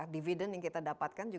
dividen yang kita dapatkan